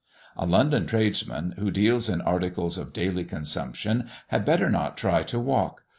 A London tradesman, who deals in articles of daily consumption, had better not try to walk.